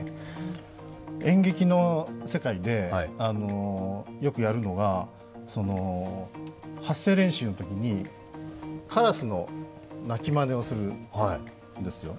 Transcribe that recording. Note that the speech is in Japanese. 演劇の世界で、よくやるのが発声練習のときに、カラスの鳴きまねをするんですよ。